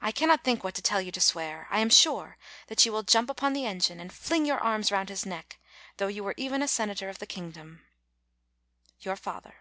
I cannot think what to tell you to swear. I am sure that you will jump upon the engine and fling your arms round his neck, though you were even a sen ator of the kingdom. YOUR FATHER.